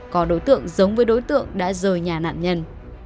có đối tượng giống với đối tượng đã rời nhà nạn nhân